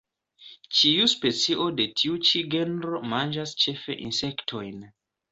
Ĉiu specio de tiu ĉi genro manĝas ĉefe insektojn.